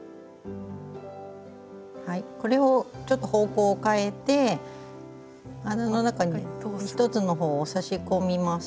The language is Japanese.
これをちょっと方向を変えて円の中に一つの方を差し込みます。